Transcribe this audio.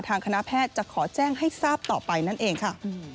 คณะแพทย์จะขอแจ้งให้ทราบต่อไปนั่นเองค่ะ